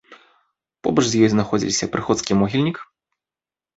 Побач з ёй знаходзіліся прыходскі могільнік.